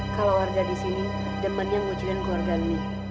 kalau warga disini demen yang ngucilin keluarga ini